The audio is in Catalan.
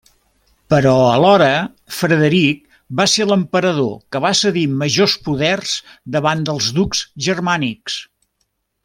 Però alhora, Frederic va ser l'emperador que va cedir majors poders davant dels ducs germànics.